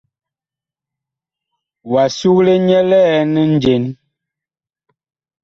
Wa sugle nyɛ liɛn njen ?